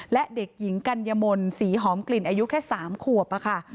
และเด็กหญิงกัญญมลศรีหอมกลิ่นอายุแค่๓ขวบค่ะ